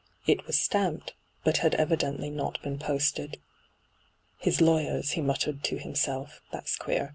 It was stamped, but had evidently not been posted. ' His lawyers,' he muttered to himself ' That's queer.'